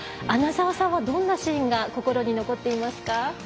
穴澤さんは、どんなシーンが心に残ってますか？